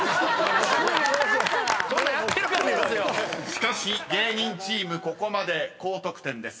［しかし芸人チームここまで高得点です］